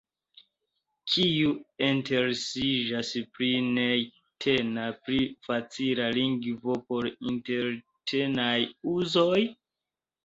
Kiu interesiĝas pri neetna pli facila lingvo por interetnaj uzoj?